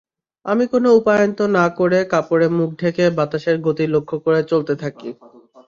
আমি কোন উপায়ান্তর না করে কাপড়ে মুখ ঢেকে বাতাসের গতি লক্ষ্য করে চলতে থাকি।